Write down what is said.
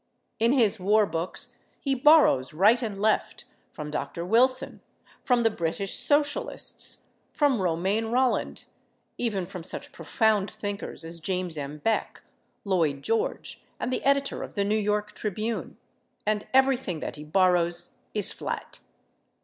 In his war books he borrows right and left—from Dr. Wilson, from the British Socialists, from Romain Rolland, even from such profound thinkers as James M. Beck, Lloyd George and the editor of the New York Tribune—and everything that he borrows is flat.